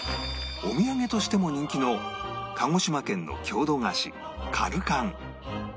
お土産としても人気の鹿児島県の郷土菓子かるかん